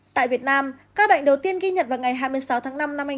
tại việt nam các bệnh đầu tiên ghi nhận vào ngày hai mươi sáu tháng năm năm hai nghìn chín